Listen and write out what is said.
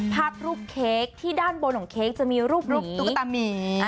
ภาพรูปเค้กที่ด้านบนของเค้กจะมีรูปตุ๊กตามี